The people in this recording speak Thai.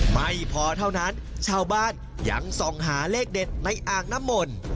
ไม่พอเท่านั้นชาวบ้านยังส่องหาเลขเด็ดในอ่างน้ำมนต์